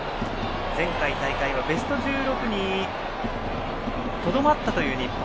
前回大会はベスト１６にとどまったという日本。